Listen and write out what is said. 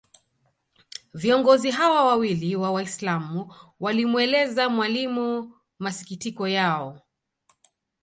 Viongozi hawa wawili wa Waislam walimueleza Mwalimu masikitiko yao